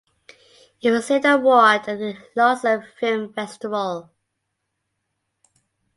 It received an award at the Lausanne Film Festival.